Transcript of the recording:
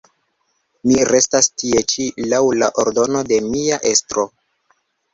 Mi restas tie ĉi laŭ la ordono de mia estro.